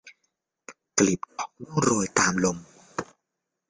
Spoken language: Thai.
กลีบดอกร่วงโรยตามลม